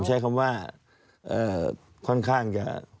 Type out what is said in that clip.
ใช้คำว่าค่อนข้างจะ